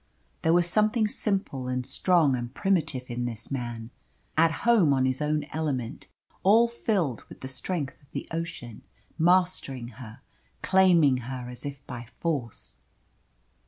There was something simple and strong and primitive in this man at home on his own element, all filled with the strength of the ocean mastering her, claiming her as if by force.